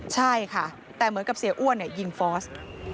ใช่ค่ะแต่เหมือนกับเสียอ้วนยิงฟอส